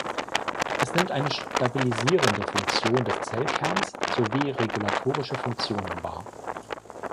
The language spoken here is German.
Es nimmt eine stabilisierende Funktion des Zellkerns sowie regulatorische Funktionen wahr.